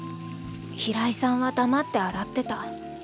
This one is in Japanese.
平井さんは黙って洗ってた。